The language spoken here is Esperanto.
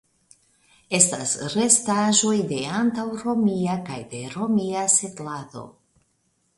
Estas restaĵoj de antaŭromia kaj de romia setlado.